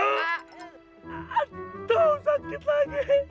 aduh sakit lagi